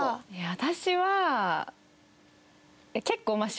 私は。